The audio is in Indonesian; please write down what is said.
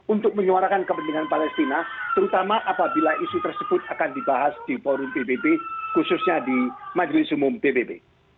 untuk menyuarakan kepentingan palestina terutama apabila isu tersebut akan dibahas di forum pbb khususnya di majelis umum pbb